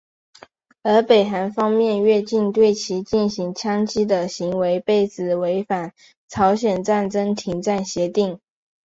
而北韩方面越境对其进行枪击的行为被指违反朝鲜战争停战协定。